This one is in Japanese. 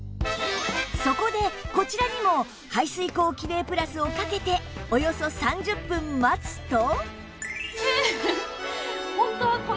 そこでこちらにも排水口キレイプラスをかけておよそ３０分待つと